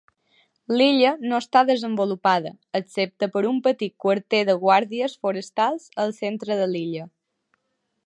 L'illa no està desenvolupada, excepte per un petit quarter de guàrdies forestals al centre de l'illa.